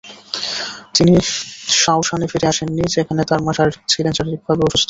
তিনি শাওশানে ফিরে আসেননি, যেখানে তার মা ছিলেন শারীরিকভাবে অসুস্থ।